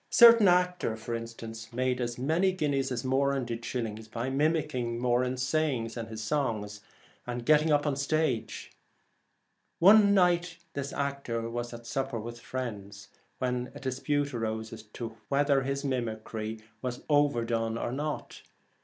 A certain actor, for instance, made as many guineas as Moran did shillings by mimick ing his sayings and his songs and his get up upon the stage. One night this actor was at supper with some friends, when dispute arose as to whether his mimicry was overdone or not.